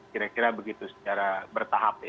kira kira begitu secara bertahap ya